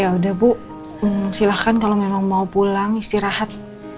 ya udah bu silahkan kalau mau pulang istirahat